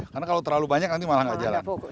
karena kalau terlalu banyak nanti malah nggak jalan